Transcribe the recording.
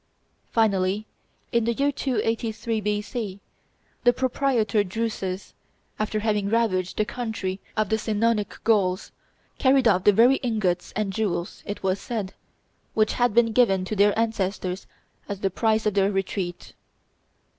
Finally in the year 283 B.C., the proprietor Drusus, after having ravaged the country of the Senonic Gauls, carried off the very ingots and jewels, it was said, which had been given to their ancestors as the price of their retreat.